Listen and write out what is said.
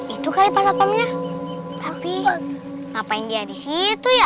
itu kali pasat pam nya tapi ngapain dia disitu ya